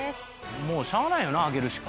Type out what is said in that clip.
「もうしゃあないよな上げるしか」